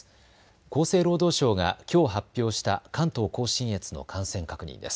厚生労働省がきょう発表した関東甲信越の感染確認です。